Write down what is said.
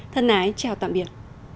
thân ái chào tạm biệt